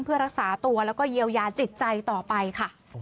เพื่อรักษาตัวแล้วก็เยียวยาจิตใจต่อไปค่ะ